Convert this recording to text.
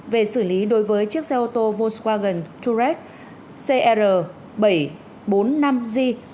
về xử lý đối với chiếc xe ô tô volkswagen touareg cr bảy trăm bốn mươi năm z